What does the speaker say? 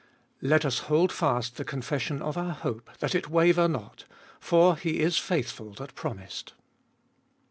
Let us hold fast the confession of our hope that it waver not; for he is faithful that promised.